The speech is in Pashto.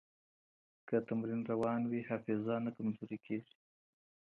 که تمرین روان وي، حافظه نه کمزورې کېږي.